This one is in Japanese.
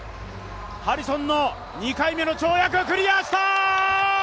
ハリソンの２回目の跳躍クリアした！